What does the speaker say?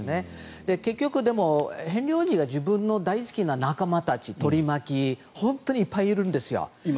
結局ヘンリー王子が自分の大好き仲間たち、取り巻き本当にいっぱいいるんですよ。